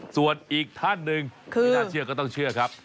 ส่วนอีกท่านหนึ่งไม่น่าเชื่อก็ต้องเชื่อครับ